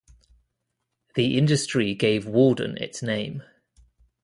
The industry gave Walden its name.